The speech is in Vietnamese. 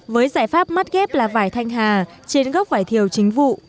với giải pháp mắt ghép là vải thanh hà trên gốc vải thiều chính vụ